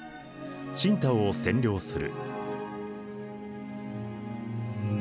青島を占領する。